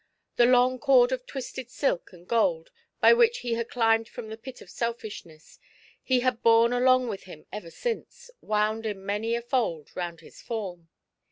The long cord of twisted silk and gold, by which he had climbed from the pit of Sel fishness, he had borne along with him ever since, wound in many a fol4 round his form.